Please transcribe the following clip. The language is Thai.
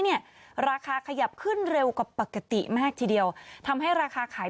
เนี่ยราคาขยับขึ้นเร็วกว่าปกติมากทีเดียวทำให้ราคาขาย